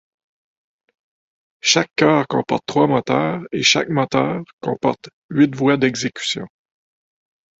Chaque cœur comporte trois moteurs et chaque moteur comporte huit voies d’exécution.